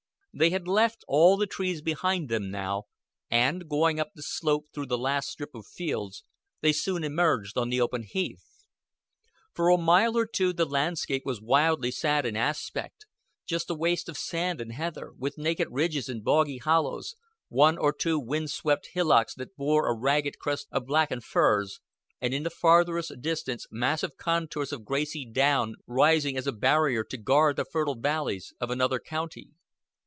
They had left all the trees behind them now, and, going up the slope through the last strip of fields, they soon emerged on the open heath. For a mile or two the landscape was wildly sad in aspect, just a waste of sand and heather, with naked ridges and boggy hollows, one or two wind swept hillocks that bore a ragged crest of blackened firs, and in the farthest distance massive contours of grassy down rising as a barrier to guard the fertile valleys of another county.